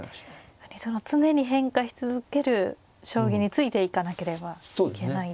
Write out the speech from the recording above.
常に変化し続ける将棋についていかなければいけないですし。